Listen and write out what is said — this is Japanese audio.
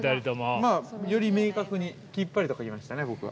◆まあ、より明確にきっぱりと書きましたね、僕は。